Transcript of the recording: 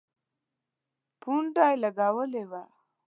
پونډه لګولي وه.